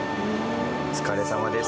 お疲れさまです。